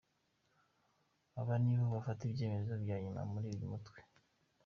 Aba nibo bafata ibyemezo bya nyuma muri uyu mutwe.